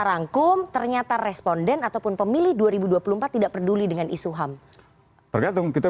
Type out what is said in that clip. rangkum ternyata responden ataupun pemilih dua ribu dua puluh empat tidak peduli dengan isu ham tergantung kita